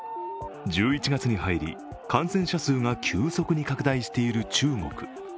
１１月に入り、感染者数が急速に拡大している中国。